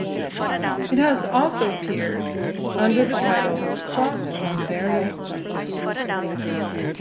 It also has appeared under the title Thoughts on Various Subjects.